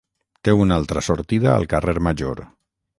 Té una altra sortida al carrer major.